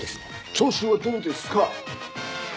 調子はどうですか？